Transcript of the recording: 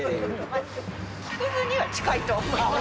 木くずには近いと思います。